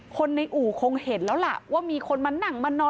คนในอู่คงเห็นแล้วล่ะว่ามีคนมานั่งมานอน